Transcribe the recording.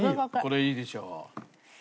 これいいでしょ。